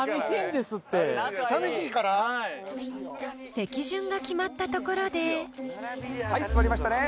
［席順が決まったところで］はい座りましたね。